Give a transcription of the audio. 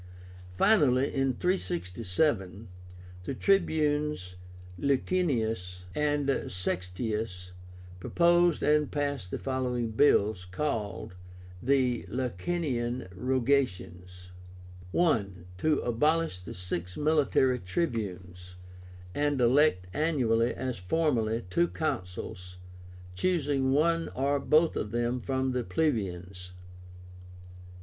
Finally, in 367, the Tribunes Licinius and Sextius proposed and passed the following bills, called the LICINIAN ROGATIONS. I. To abolish the six military tribunes, and elect annually, as formerly, two Consuls, choosing one or both of them from the plebeians.